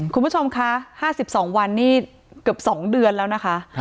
คุณผู้ชมคะ๕๒วันนี้เกือบ๒เดือนแล้วนะคะ